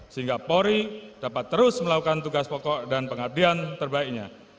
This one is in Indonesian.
sehingga polri dapat terus melakukan tugas pokok dan pengabdian terbaiknya